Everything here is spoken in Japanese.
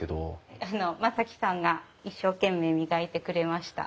あの真己さんが一生懸命磨いてくれました。